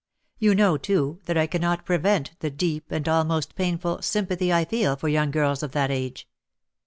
You know, too, that I cannot prevent the deep, and almost painful, sympathy I feel for young girls of that age."